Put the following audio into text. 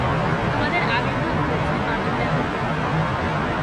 তোমাদের আবির্ভাব হয়েছে মানবজাতির জন্য।